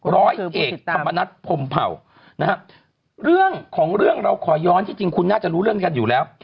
ร้อยเอกธรรมนัฐพรมเผ่านะฮะเรื่องของเรื่องเราขอย้อนที่จริงคุณน่าจะรู้เรื่องกันอยู่แล้ว